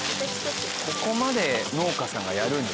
ここまで農家さんがやるんですね。